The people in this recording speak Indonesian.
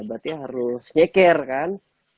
berarti harus nyeker kan